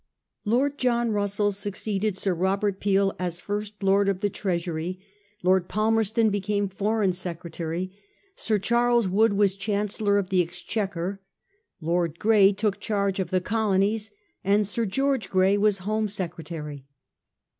Lord John Russell succeeded Sir Robert Peel as First Lord of the Treasury ; Lord Palmerston became Foreign Secretary; Sir Charles Wood was Chancellor of the Exchequer ; Lord Grey took charge of the Colo nies ; and Sir George Grey was Home Secretary.